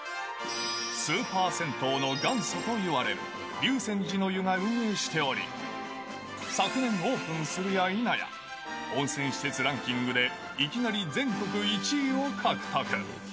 スーパー銭湯の元祖といわれる竜泉寺の湯が運営しており、昨年オープンするやいなや、温泉施設ランキングでいきなり全国１位を獲得。